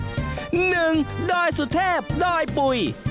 หนึ่งดอยสุเทพดอยปุ๋ย